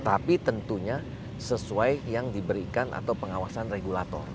tapi tentunya sesuai yang diberikan atau pengawasan regulator